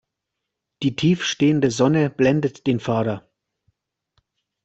Die tief stehende Sonne blendet den Fahrer.